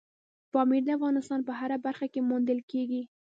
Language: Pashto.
پامیر د افغانستان په هره برخه کې موندل کېږي.